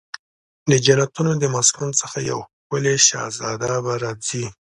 د جنتونو د مسکن څخه یو ښکلې شهزاده به راځي